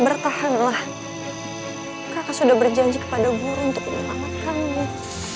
bertahanlah kakak sudah berjanji kepada guru untuk mengangkat